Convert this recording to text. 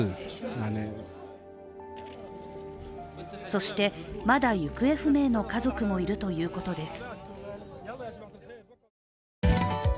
そして、まだ行方不明の家族もいるということです。